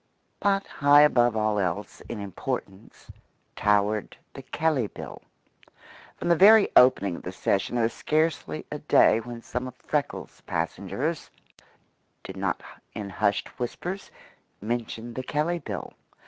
But high above all else in importance towered the Kelley Bill. From the very opening of the session there was scarcely a day when some of Freckles' passengers did not in hushed whispers mention the Kelley Bill.